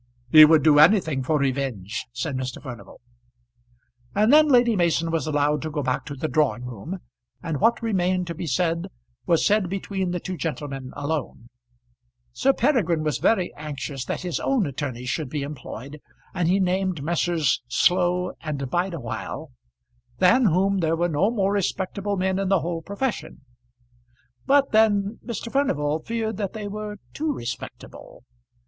"He would do anything for revenge," said Mr. Furnival. And then Lady Mason was allowed to go back to the drawing room, and what remained to be said was said between the two gentlemen alone. Sir Peregrine was very anxious that his own attorneys should be employed, and he named Messrs. Slow and Bideawhile, than whom there were no more respectable men in the whole profession. But then Mr. Furnival feared that they were too respectable.